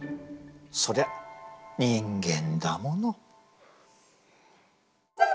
そりゃ人間だもの。